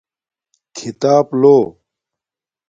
کھیتاپ لو